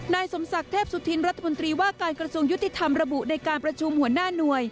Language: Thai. นายสมศักดิ์เทพสุธินรัฐมนตรีว่าการกระทรวงยุติธรรมระบุในการประชุมหัวหน้าหน่วย